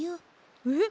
えっ？